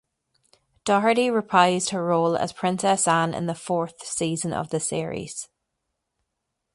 Doherty reprised her role as Princess Anne in the fourth season of the series.